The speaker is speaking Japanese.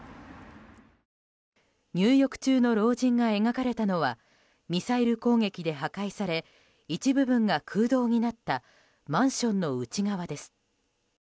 入浴中の老人が描かれたのはミサイル攻撃で破壊され一部分が空洞になったマンションの内側です。